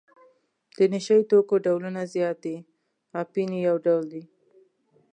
د نشه یي توکو ډولونه زیات دي اپین یې یو ډول دی.